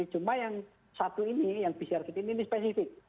cuma yang satu ini yang pcr ini spesifik